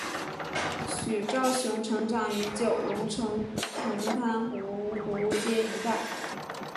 许绍雄成长于九龙城红磡芜湖街一带。